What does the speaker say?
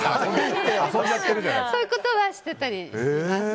そういうことはしてたりします。